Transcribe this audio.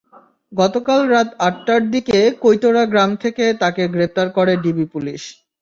গতকাল রাত আটটার দিকে কৈতরা গ্রাম থেকে তাঁকে গ্রেপ্তার করে ডিবি পুলিশ।